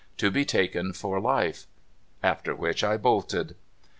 To be taken for life.' After which I bolted.